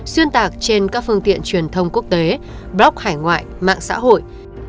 xuyên tạc trên các phương tiện truyền thông quốc tế blog hải ngoại mạng xã hội